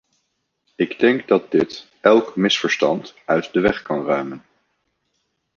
Ik denk dat dit elk misverstand uit de weg kan ruimen.